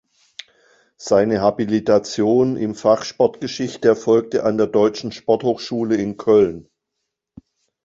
Seine Habilitation im Fach Sportgeschichte erfolgte an der Deutschen Sporthochschule Köln.